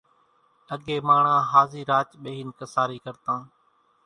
اڳيَ ماڻۿان ۿازِي راچ ٻيۿينَ ڪسارِي ڪرتان۔